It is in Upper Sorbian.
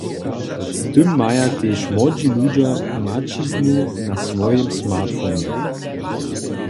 Z tym maja tež młodźi ludźo maćiznu na swojim smartphonje.